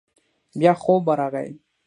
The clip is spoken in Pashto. بيا خوب ورغی.